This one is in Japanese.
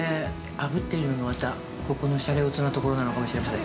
あぶってるのが、またここのシャレオツなところなのかもしれません。